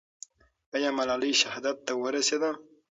آیا ملالۍ شهادت ته ورسېده؟